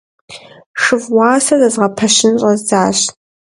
ШыфӀ уасэ зэзгъэпэщын щӀэздзащ.